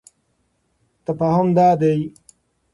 تفاهم دادی: